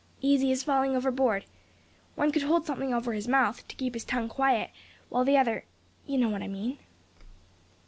"Easy as falling overboard. One could hold something over his mouth, to keep his tongue quiet; while the other You know what I mean?"